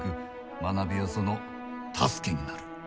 学びはその助けになる。